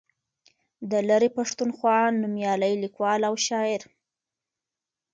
د لرې پښتونخوا نومیالی لیکوال او شاعر